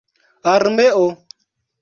armeo